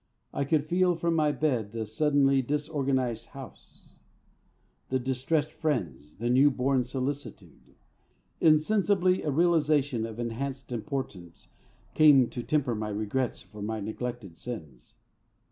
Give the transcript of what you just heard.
I could feel from my bed the suddenly disorganised house, the distressed friends, the new born solicitude. Insensibly a realisation of enhanced importance came to temper my regrets for my neglected sins.